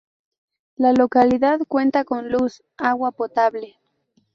La localidad cuenta con luz, agua potable.